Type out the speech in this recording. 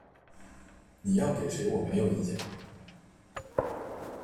你要给谁我没有意见